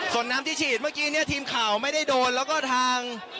ส่วนน้ำที่ฉีดเมื่อกี้เนี่ยทีมข่าวไม่ได้โดนแล้วก็ทาง